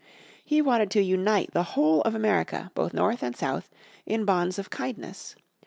He wanted to unite the whole of America, both North and South, in bonds of kindness.